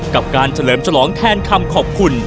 กับการเฉลิมฉลองแทนคำขอบคุณ